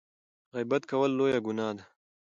غیبت کول لویه ګناه ده.